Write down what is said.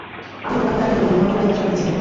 আমি তো দোকানদার নই, ধর্ম লইয়া ব্যবসা করিতেছি না।